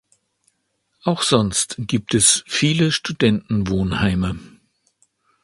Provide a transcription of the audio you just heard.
Auch sonst gibt es viele Studentenwohnheime.